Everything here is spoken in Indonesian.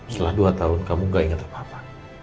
setelah dua tahun kamu gak ingat apa apa